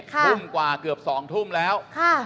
ทุ่มกว่าเกือบ๒ทุ่มแล้ว